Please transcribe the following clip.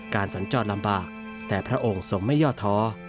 การสัญจรรย์ลำบากแต่พระองค์สมไม่ยอดท้อ